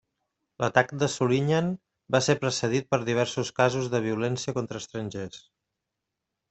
L'atac de Solingen va ser precedit per diversos casos de violència contra estrangers.